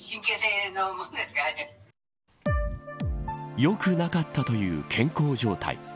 よくなかったという健康状態。